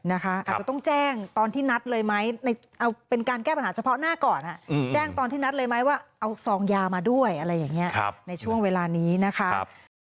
อาจจะต้องแจ้งตอนที่นัดเลยไหมเอาเป็นการแก้ปัญหาเฉพาะหน้าก่อนแจ้งตอนที่นัดเลยไหมว่าเอาซองยามาด้วยอะไรอย่างนี้ในช่วงเวลานี้นะคะ